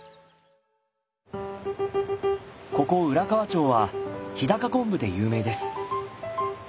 ここ浦河町は日高昆布で有名です。